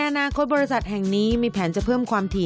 อนาคตบริษัทแห่งนี้มีแผนจะเพิ่มความถี่